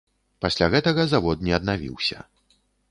Пасля гэтага завод не аднавіўся.